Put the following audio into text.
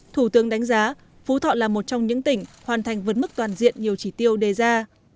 thủ tướng đánh giá phú thọ là một trong những tỉnh hoàn thành vấn mức toàn diện nhiều chỉ tiêu đề ra